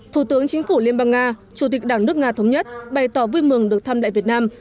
thủ tướng chính phủ liên bang nga chủ tịch đảng nước nga thống nhất bày tỏ vui mừng được thăm lại việt nam